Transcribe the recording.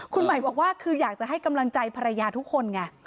คุณหมายบอกว่าคืออยากจะให้กำลังใจภรรยาทุกคนไง